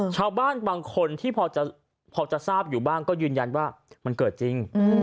ชาวบ้านบางคนที่พอจะทราบอยู่บ้างก็ยืนยันว่ามันเกิดจริง